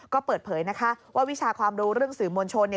ก็เปิดเผยนะคะว่าวิชาความรู้เรื่องสื่อมวลชน